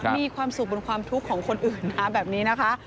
มีความสุขบนความทุกข์ของคนอื่นนะแบบนี้นะคะ